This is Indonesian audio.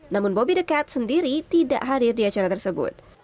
namun bobi the cat sendiri tidak hadir di acara tersebut